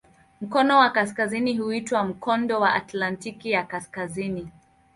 Mkono wa kaskazini huitwa "Mkondo wa Atlantiki ya Kaskazini".